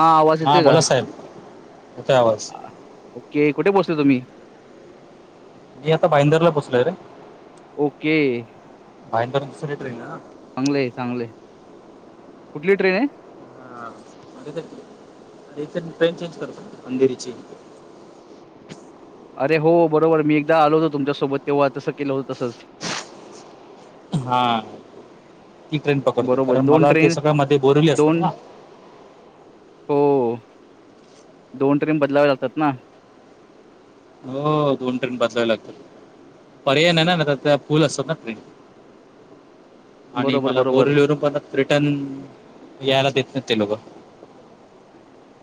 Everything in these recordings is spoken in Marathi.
हा आवाज येतोय का? बोला साहेब येतोय आवाज ओके कुठे पोहचल तुम्ही? मी आता भाईंदरला पोहचलोय रे. ओके. भाईंदर वरून दुसरी ट्रेन आहे ना? चांगलं आहे चांगलंय कुठली ट्रेन आहे? हा इथ ट्रेन चेंज करत अंधेरीची. [unintelligible] अरे हो बरोबर मी एकदा आलो होतो तुमच्यासोबत तेव्हा तसं केलं होतं तसंच. हा. ती ट्रेन पकडतोय बरोबर कारण दोन मला ते ट्रेन सगळ्या मध्ये बोरवली असतात दोन ना. हो दोन ट्रेन बदलाव लागतात ना? हो दोन ट्रेन बदलाव्या लागतात. पर्याय नाही ना तर त्या फूल असतात ना त आणि बरोबर मला बरोबर. बोरलीरून परत रिटन यायला देत नाही ते लोक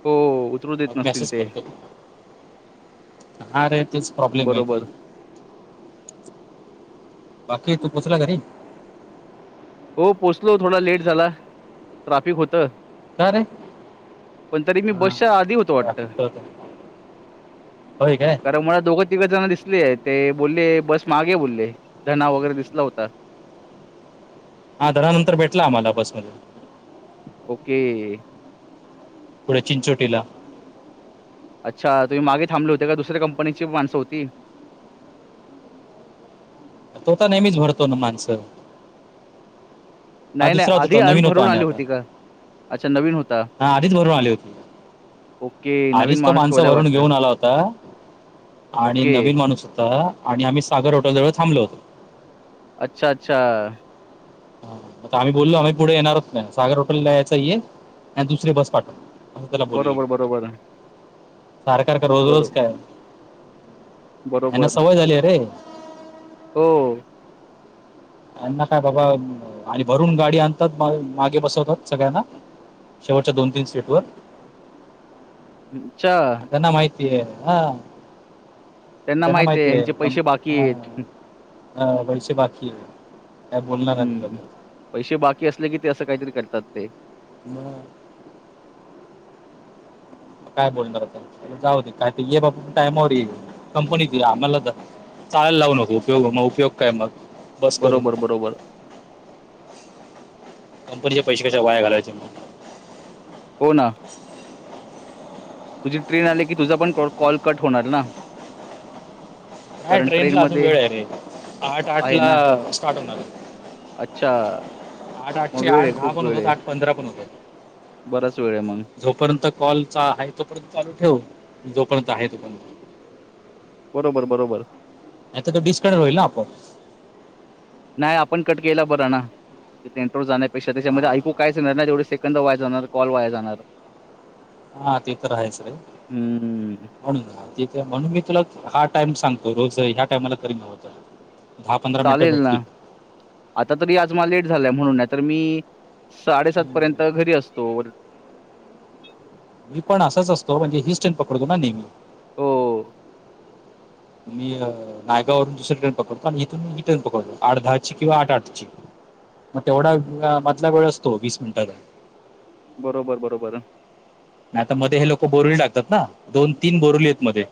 हो उतरू देत मग नसतील मेसेज ते करतो त हा रे तेच प्रॉब्लेम आहे बरोबर. ते बाकी तू पोहचा घरी हो पोचलो थोडा लेट झाला ट्राफिक होतं का रे पण तरी मी हा बसच्या आधी होतो वाटत ट्रॅफिक तर होतं. होय काय कारण मुळ दोघं तिघ जण दिस दिसले ते बोलले बस मागे बोलले धणा वगैरे दिसला होता हा नंतर भेटला आम्हाला बसमध्येध्ये ओके पुढे चिंचोटीला अच्छा तुम्ही मागे थांबले होते का दुसऱ्या कंपनीची माणसं होती तो तर नेहमीच भरतो ना माणसं हा नाही, नाही दुसरात आधी होता अन नवीन होता भरून आणि आली आता होती का? अच्छा नवीन होता. हा आधीच भरून आली होती ओके, नवीन आधीच तो माणूस माणसं ठेवला भरून वाटतं. घेऊन आला होता आणि ओके. नवीन माणूस होता आणि आम्ही सागर होॉटेल जवळ थांबलो होतो अच्छा! ! अच्छा! म आम्ही बोललो आम्ही पुढे येणारच नाही सागर हॉटेलला यायचाय आणि दुसरी बस पाठव असं बरोबर बरोबर सारख सारखं रोज बरो रोज काय?. ह्यांना बरोबर. सवय झालिये रे हो. त्यांना काय बाबा आणि भरून गाडी आणि आणतात मागे बसवतात सगळ्यांना. शेवटच्या दोन ते तीन सीट वर अच्छा! त्यांना माहिती त्यांना आहे माहिती आहे ह्यांचे हे. पैसे बाकी आहेत. ह पैसे बाकी आहेत हम्म! पैसे बाकी असले कि ते असं काहीतरी करतात ते. [unintelligible] काय बोलणार आता जाऊ दे काय ते ये बाबा टायमावर ये कंपनीत. चालायला लावू नको उपयोग काय मग? बस करून बरोबर बरोबर कंपनीचे पैसे कशाला वाया घालावायचे मग. हो ना? तुझी ट्रेन आली की मग तुझा पण कॉल कट होणार ना? काय? कारण ट्रेन ला अजून ट्रेनमध्ये वेळ आहे रे आठ आठ आहे ला ना? स्टार्ट होणार. अच्छा. आठ, आठशे मग वेळ आहे, दहा, खूप पण वेळ होतात आहे. आठ पंधरा पण होतात. बराच वेळ आहे मग. जोपर्यंत कॉल च आहे तोपर्यंत चालू ठेव जोपर्यंत आहे तोपर्यंत बरोबर बरोबर आता तर डिस्कार्ड होईल ना आपोआप. नाही आपण कट केलेला बरं ना ते इंन्टरो जाण्यापेक्षा त्याच्यामध्ये ऐकू कायच येणार ना तेवढेे से कंद वाया जाणार, कॉल वाया जाणार. हा ते तर आहेच रे हम्म म्हणून ते म्हणून मी तुला. टाइम सांगतो रोज ह्या टायमाला करी नव्हत चालेल ना आता तरी आज मला लेट झाला आहे म्हणून नाही तर मी साडेसात पर्यंत घरी असतो. मी पण असाच असतो म्हणजे हीच ट्रेन पकडतो ना नेहमी. हो मी नायगावरून दुसरी ट्रेन पकडतो आणि इथून मी हि ट्रेन पकडतो आठ दहाची किंवा आठ आठची. मग तेवढा मधला वेळ असतो वीस मिनिटाचा बरोबर, बरोबर. नाही आता मधे हे लोक बोरुली टाकतात ना दोन तीन बोरुली आहेत मधे.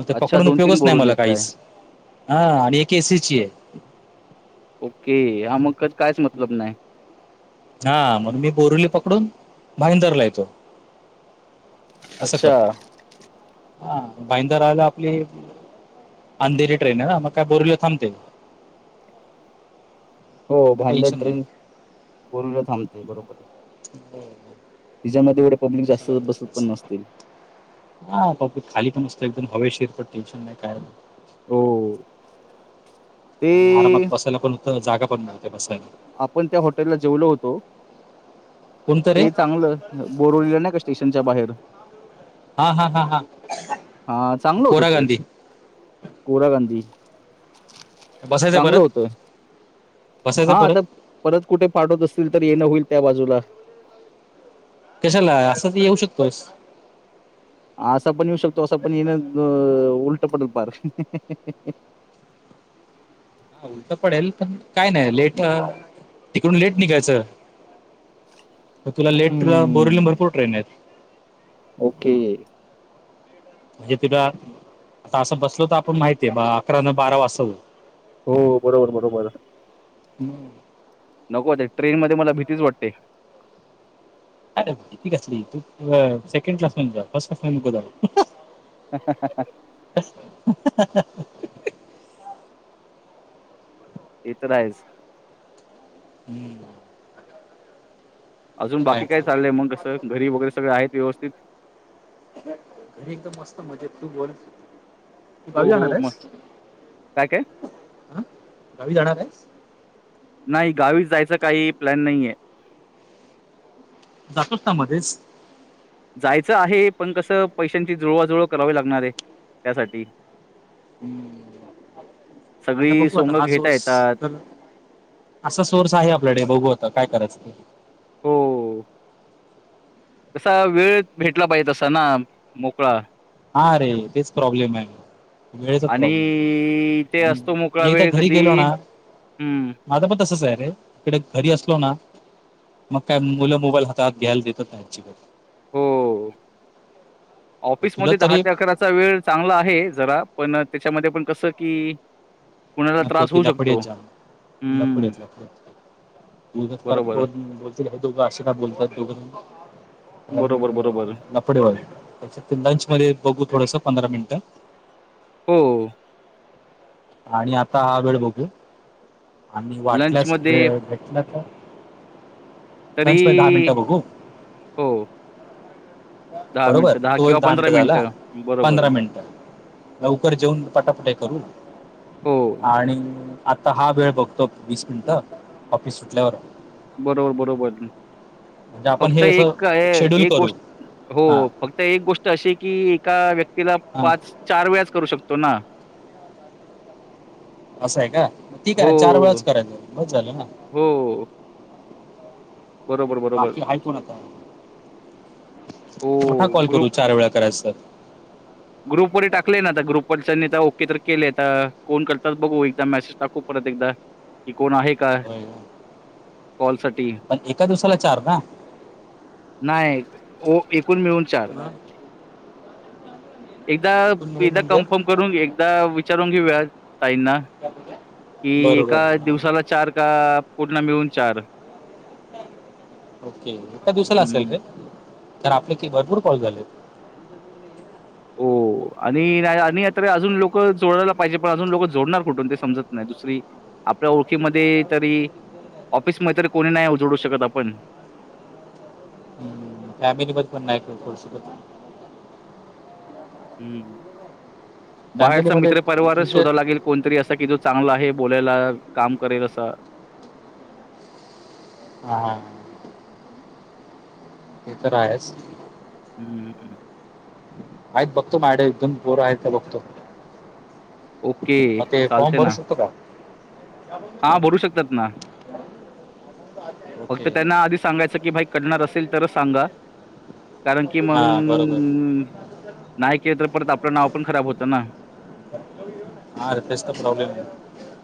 मग ते अच्छा पकडून दोन तीन उपयोगच नाही मला बोरवलीत काय काहीच. हा आणि एक एसीची आहे. ओके हा मग कायच मतलब नाही. हा म्हण मी बोरवली पकडून भाईंदरला येतो. असं अच्छा करतो हा भाईंदरला आपली अंधेरी ट्रेन आहे ना मग काय बोरीवलीला थांबते. हो काय भांदर टेन्शन नाही. ट्रेन गोरुला थांबते बरोबर. हो तिच्यामध्ये एवढे पब्लिक जास्त कशाला बसत उगाचच. पण नसतील. हा आपलं ते खाली पण असते एकदम हवेशीर पण टेन्शन नाही काय नाही. हो. ते आणि आरामात बसायला पण होत जागा पण होते बसायला. आपण त्या हॉटेलला जेवलो होतो. कोणतं रे ते चांगलं बोरोवलीला नाही का स्टेशनच्या बाहेर हा हा हा हा हा चांगलं होत कोरा ते. गांधी गोरा गांधी बसायचंय चांगलं परत होतं बसायचा हा आता परत परत कुठे पाठवत असतील तर येणं होईल त्या बाजूला कशाला असं त येऊ शकतोस असा पण येऊ शकतो असा पण येण उल्टपड पार हा उलट पडेल पण काय नाही लेट तिकडून लेट निघायचं तुला लेटला बोरवली हम्म भरपूर ट्रेन आहेत ओके म्हणजे तुला आता असं बसल तर आपण माहितीये अकरा न बारा वाजता हो हो बरोबर बरोबर हम्म नको ट्रेन मध्ये मला भीतीच वाटते अरेती घसली तू सेकंड क्लास म जा फर्स्ट क्लास जा [unintelligible] ते तर आहेच हम्म ते अजून तर आहे बाकी काय चाललंय मग कसं घरी वगैरे सगळ आहेत व्यवस्थित घरी एकदम मस्त मजेत तू बोल तू गावी हो जाणार हो मग आहेस काय काय ह गावी जाणार आहे नाही गावीस जायचं काही प्लॅन नाहीय जातोच ना मध्येच जायचं आहे पण कसं पैशांची जुळवाजुळव करावी लागणार आहे त्यासाठी हम्म आता सगळी बघू आता सोंग हा घेता सोर्स येतात तर असा सोर्स आहे आपल्याकडे बघू आता काय करायचं हो कसा वेळ भेटला पाहिजे तसा ना मोकळा हा ररे तेच प्रॉब्लेम आहे म वेळेचाच आणि प्रॉब्लेम आहे ते आणि असतो मोकळा मी एकदा वेळ घरी कधी गेलो ना हं, माझं पण तसच आहे रे इकडे घरी असलो ना मग काय मुलं मोबाईल हातात घ्यायला देतात त्यांचीकडे हो. ऑफिसमध्ये दहा तरी ते अकराचा वेळ चांगला आहे जरा पण त्याच्यामध्ये पण कसं की कुणाला नको त्रास ति होऊ शकतो. लफडेत जा लपोड हं, लपोड मु परत बरोबर, बोलतील दोघं आशि का बोलतात दोघं बरोबर, बरोबर. लपडेवा त्याच्यात लंच मध्ये बघू थोडस पंधरा मिनिट [unintelligible] होम् आणि आता हा वेळ बघू आणि वाटल्यास लंचमध्ये वेळ भेटल्या का तरी मिनटं बघू हो बरोबर मिनिटं तो एक किंवा दहा मिनिटं झाला बरोबर. पंधरा मिनट लवकर जेऊन पटापटे करू हो, आणि आता हा वेळ बघतो वीस मिनिट ऑफिस सुटल्यावर बरोबर बरोबर म्हणजे आपण फक्त हे असं एक शेड्यूल एक करू गोष्ट हो हां फक्त एक गोष्ट अशी की एका व्यक् तिला हां पाच चार वेळाज करू शकतो ना असंय का ती हो, कराय चार वेळाच करायच मज झालं ना हो. बरोबर, बरोबर. बाकी हा कोण आता हो मोठा कॉल करू चार वेळा करायचचा ग्रुप व टाकलेय ना आता ग्रुपवर त्यांनी ता ओके तर केले आता कोण करतात बघू एकदा मेसेज टाकू परत एकदा कोण आहे काय? होय का? पण एका दिवसाला चार ना. नाही ओ एकूण मिळून चार हा. एकदा एकूण मिळून एकदा म्हणजे कन्फर्म करून घे एकदा विचारून घेऊया. ताईंना कि बरोबर एका हा. दिवसाला चार का पुर्ण मिळून चार. ओके एका दिवसाला असेल हं. काय? तर आपले ते भरपूर कॉल झाले. हो आणि नाही आणि तर अजून लोक जोडायला पाहिजे पण अजून लोक जोडणार कुठून ते समजत नाही दुसरी आप ल्या ओळखीमध्ये तरी ऑफिसमध्ये तरी कोणी नाही जोडू शकत आपण. [inaudible] हम्म फॅमिली मध्ये पण नाही [unintelligible] शकत हम्म बाहेरचा फॅमिलीमध्ये मित्र परिवारच तुझे शोधावा लागेल कोणतरी असा कि जो चांगला आहे बोलायला काम करेल असा. हा हा ते तर आहेच. हम्ममम् आहेत बघतो मायाकड एक-दोन पोरं आहेत काय बघतो. ह ते फॉर्म भरू शकतो का? हा भरू शकतात ना. फक्त ओके त्यांना आधी सांगायचं की भाई कढणार असेल तरच सांगा. कारण कि हां बरोबर मंग नाही केलं तर परत आपलं नाव पण खराब होतं ना. ह र तेच तर प्रॉब्लेम आहे.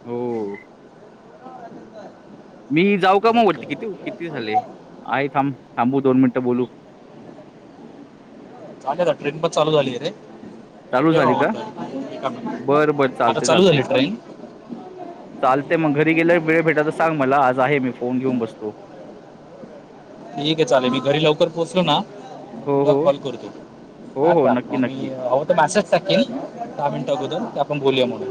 हो. मी जाऊ का म वरती, ओके किती किती झाले? आहे थांब थांबू दोन मिनिटं बोलू. चालेल ट्रेन पण चालू झाली रे. चालू ठेव झाली का बरं बरं [unintelligible] आता चालते चालू चालते झाली ट्रेन. चालते मग घरी गेल्या वेळ भेटाल तर सांग मला आज आहे मी फोन घेऊन बसतो. ठीक आहे चालेल मी घरी लवकर पोहोचलो ना हो तुला हो कॉल करतो, हो हो नक्की मग मी नक्की हवं तर मॅसेज टाकेन दहा मिनट अगोदर की आपण बोलूया मग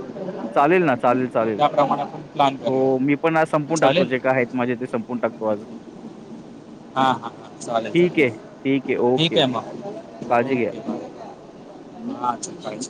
चालेल ना चालेल चालेल. त्याप्रमाणे आपण प्लॅन हो करूया मी पण आज संपून टाकतो चालेल जे काय आहेत माझे ते संपून टाकतो आज. हा हा ह चालेल ठीक आहे ठीक चालेल ठीक ओके आहे ओके मग काळजी घ्या ओके बाय. हा चलयच